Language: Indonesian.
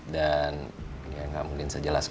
dan yang gak mungkin sejelas kak